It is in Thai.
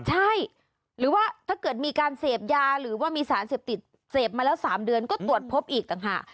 ใช่หรือว่าถ้าเกิดมีการเสพยาหรือว่ามีสารเสพติดเสพมาแล้ว๓เดือนก็ตรวจพบอีกต่างหาก